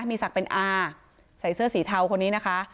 มีศักดิ์เป็นอาใส่เสื้อสีเทาคนนี้นะคะ